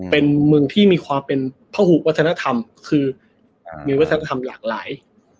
เป็นเมืองที่มีความเป็นพระหุวัฒนธรรมคือมีวัฒนธรรมหลากหลาย